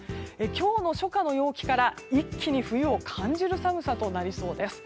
今日の初夏の陽気から一気に冬を感じる寒さとなりそうです。